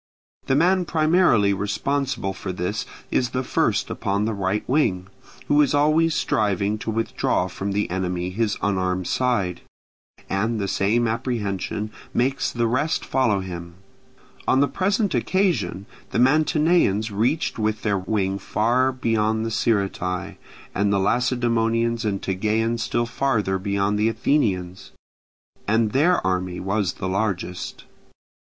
The man primarily responsible for this is the first upon the right wing, who is always striving to withdraw from the enemy his unarmed side; and the same apprehension makes the rest follow him. On the present occasion the Mantineans reached with their wing far beyond the Sciritae, and the Lacedaemonians and Tegeans still farther beyond the Athenians, as their army was the largest.